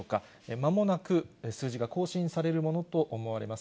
まもなく数字が更新されるものと思われます。